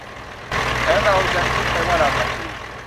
แถมเรายังคิดไปว่า 'เราทำดี'